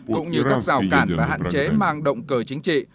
cũng như các rào cản và hạn chế mang động cờ chính trị